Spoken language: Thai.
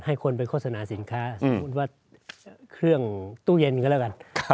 คนไปโฆษณาสินค้าสมมุติว่าเครื่องตู้เย็นก็แล้วกัน